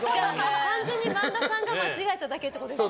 完全に萬田さんが間違えただけってことですね。